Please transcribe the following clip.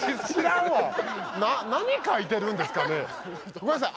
ごめんなさい。